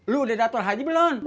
lu udah daftar haji belum